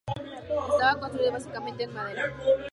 Estaba construido básicamente en madera.